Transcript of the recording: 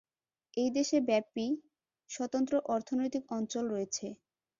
এই দেশে ব্যাপী স্বতন্ত্র অর্থনৈতিক অঞ্চল রয়েছে।